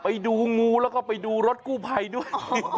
ไปดูงูแล้วก็ไปดูรถกู้ภัยด้วย